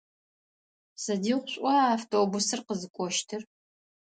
Сыдигъу шӏуа автобусыр къызыкӏощтыр?